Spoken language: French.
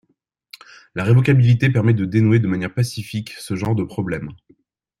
La révocabilité permet de dénouer de manière pacifique ce genre de problème.